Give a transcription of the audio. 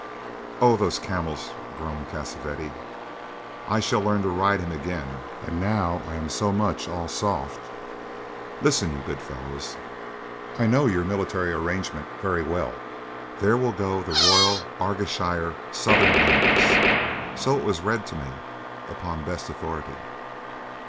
"Oh, those camels!" groaned Cassavetti. "I shall learn to ride him again, and now I am so much all soft! Listen, you good fellows. I know your military arrangement very well. There will go the Royal Argalshire Sutherlanders. So it was read to me upon best authority."